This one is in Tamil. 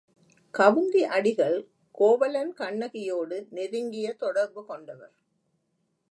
கவுந்தி அடிகள் கோவலன் கண்ணகியோடு நெருங்கிய தொடர்பு கொண்டவர்.